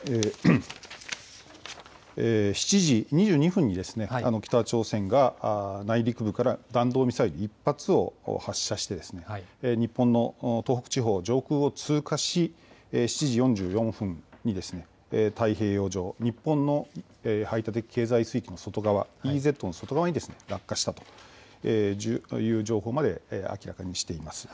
７時２２分に北朝鮮が内陸部から弾道ミサイル１発を発射して日本の東北地方上空を通過し７時４４分に太平洋上、日本の排他的経済水域のＥＥＺの外側に落下したという情報まで明らかにしています。